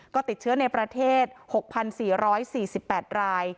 ก็ติดเชื้อในประเทศ๖๔๔๘ราย